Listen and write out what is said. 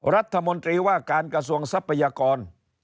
รัฐมนตรีว่าการกระทรวงทรัพยากร